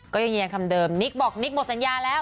ก็ยังแยงคำเดิมนิกบอกนิกหมดสัญญาแล้ว